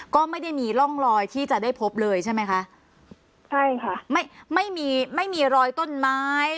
ก็ไม่ได้มีร่องรอยที่จะได้พบเลยใช่ไหมคะใช่ค่ะไม่ไม่มีไม่มีรอยต้นไม้